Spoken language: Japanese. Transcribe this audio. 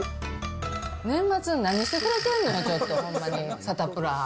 年末に何してくれてんのよ、ちょっと、ほんまに、サタプラ。